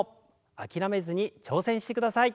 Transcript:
諦めずに挑戦してください。